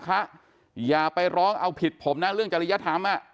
อย่าไปร้องเอาผิดผมนะเรื่องจริยธรรมอ่ะ